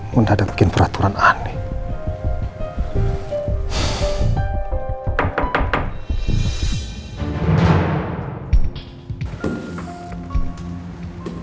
mudah mudahan bikin peraturan aneh